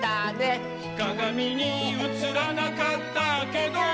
「かがみにうつらなかったけど」